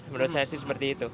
menurut saya sih seperti itu